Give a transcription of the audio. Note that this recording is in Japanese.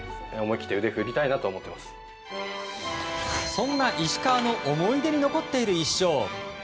そんな石川の思い出に残っている１勝。